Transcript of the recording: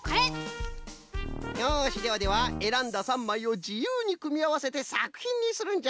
よしではではえらんだ３まいをじゆうにくみあわせてさくひんにするんじゃ。